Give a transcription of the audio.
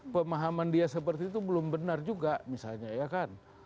pemahaman dia seperti itu belum benar juga misalnya